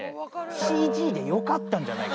ＣＧでよかったんじゃないか？